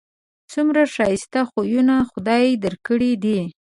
څومره ښایسته خویونه خدای در کړي دي